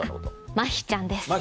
まひちゃんです。